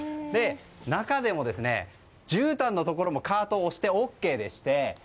中でも、じゅうたんのところもカートを押してＯＫでして。